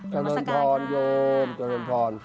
เจ้าเรินทรนโยมเจ้าเรินทรน